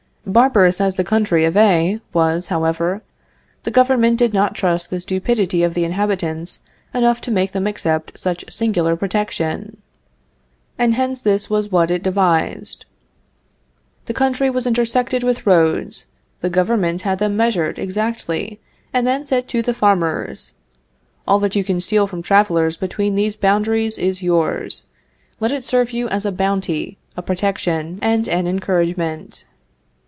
Barbarous as the country of A was, however, the government did not trust the stupidity of the inhabitants enough to make them accept such singular protection, and hence this was what it devised: "The country was intersected with roads. The government had them measured, exactly, and then said to the farmers, 'All that you can steal from travelers between these boundaries is yours; let it serve you as a bounty, a protection, and an encouragement.'